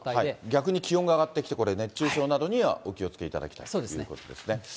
逆に気温が上がってきて、これ、熱中症などにはお気をつけていただきたいということですね。